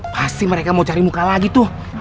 pasti mereka mau cari muka lagi tuh